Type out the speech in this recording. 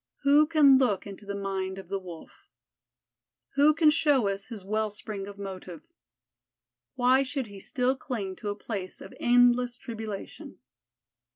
Who can look into the mind of the Wolf? Who can show us his wellspring of motive? Why should he still cling to a place of endless tribulation?